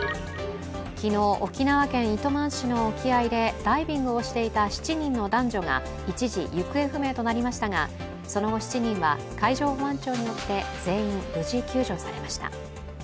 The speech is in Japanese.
昨日、沖縄県糸満市の沖合でダイビングをしていた７人の男女が一時行方不明となりましたがその後７人は海上保安庁によって全員無事救助されました。